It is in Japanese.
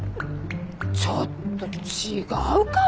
ちょっと違うから！